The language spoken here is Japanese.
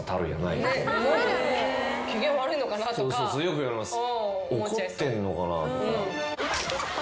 そうそうそれよく言われます。